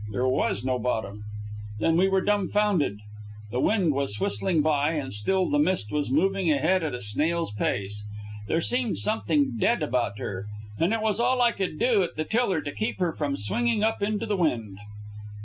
There was no bottom! Then we were dumbfounded. The wind was whistling by, and still the Mist was moving ahead at a snail's pace. There seemed something dead about her, and it was all I could do at the tiller to keep her from swinging up into the wind.